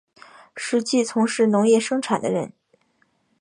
实际从事农业生产的人